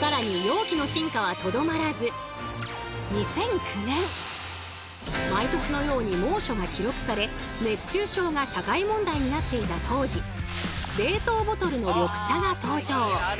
さらに容器の進化はとどまらず２００９年毎年のように猛暑が記録され熱中症が社会問題になっていた当時「冷凍ボトル」の緑茶が登場。